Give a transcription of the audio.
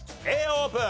Ｃオープン！